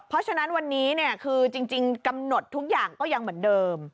เพราะฉะนั้นวันนี้คือจริงกำหนดทุกอย่างก็ยังเหมือนเดิม